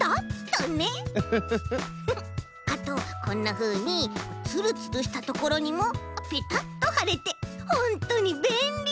あとこんなふうにツルツルしたところにもぺたっとはれてほんとにべんり！